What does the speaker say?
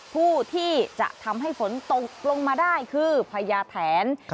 ผู้ที่จะทำให้ฝนตกลงมาได้คือพญาแถน